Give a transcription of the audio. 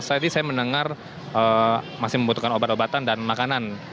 tadi saya mendengar masih membutuhkan obat obatan dan makanan